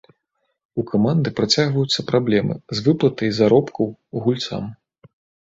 У каманды працягваюцца праблемы з выплатай заробкаў гульцам.